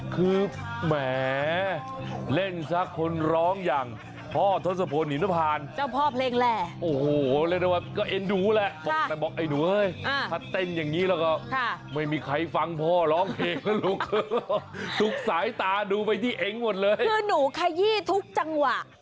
กับทุกคนทันใจแม้ว่าอยู่ได้ก็ควร